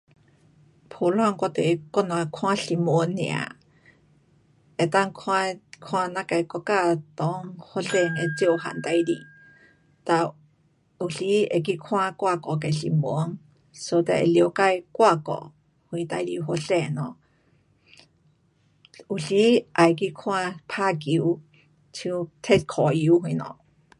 普通我都会，我只会看新闻尔。能够看，看咱自国家内发生的各样事情，哒有时会去看外国的新闻。so that 会了解外国什事情发生咯。有时也会去看打球，像踢足球什么。